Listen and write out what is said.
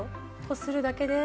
こするだけで。